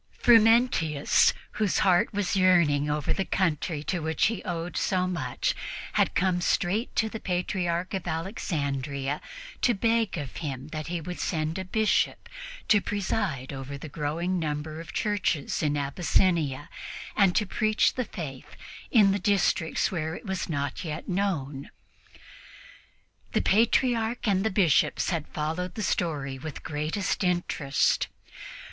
Frumentius, whose heart was yearning over the country to which he owed so much, had come straight to the Patriarch of Alexandria to beg of him that he would send a Bishop to preside over the growing number of churches in Abyssinia and to preach the Faith in the districts where it was not yet known. The Patriarch and the Bishops had followed the story with the greatest interest.